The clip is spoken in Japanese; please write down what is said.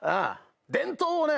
伝統をね